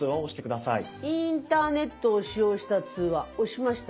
「インターネットを使用した通話」押しました。